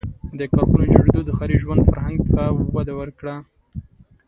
• د کارخانو جوړېدو د ښاري ژوند فرهنګ ته وده ورکړه.